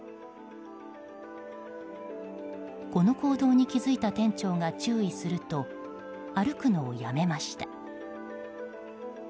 この行動に気付いた店長が注意すると、歩くのをやめました。